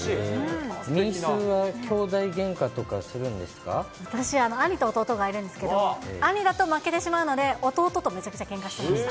みーすーはきょうだいげんか私、兄と弟がいるんですけど、兄だと負けてしまうので、弟とめちゃくちゃけんかしてました。